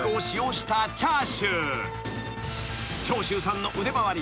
［長州さんの腕回り